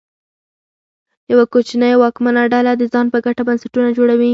یوه کوچنۍ واکمنه ډله د ځان په ګټه بنسټونه جوړوي.